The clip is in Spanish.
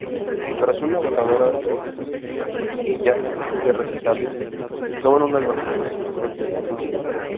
Tras una agotadora seguidilla de recitales, se toman unas vacaciones por unos meses.